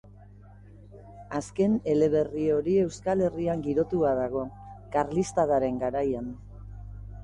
Azken eleberri hori Euskal Herrian girotua dago, karlistadaren garaian.